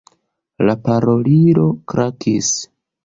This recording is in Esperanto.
La parolilo klakis.